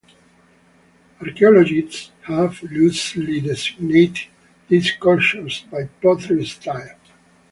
Archaeologists have loosely designated these cultures by pottery style.